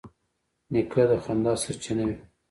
نیکه د خندا سرچینه وي.